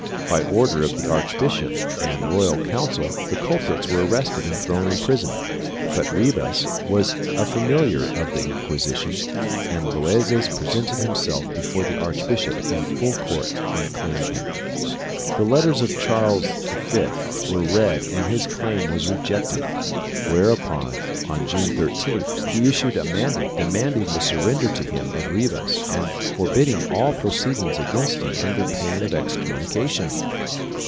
By order of the Archbishop and royal council the culprits were arrested and thrown in prison, but Ribas was a familiar of the Inquisition and Loazes presented himself before the arch bishop in full court and claimed him. The letters of Charles V were read and his claim was rejected, whereupon, on June 13th, he issued a mandate demanding the surrender to him of Ribas and forbidding all proceedings against him under pain of excom munication.